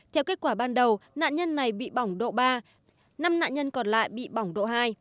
theo kết quả ban đầu nạn nhân này bị bỏng độ ba năm nạn nhân còn lại bị bỏng độ hai